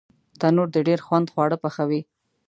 تنور د ډېر خوند خواړه پخوي